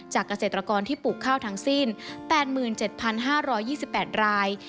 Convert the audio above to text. เกษตรกรที่ปลูกข้าวทั้งสิ้น๘๗๕๒๘ราย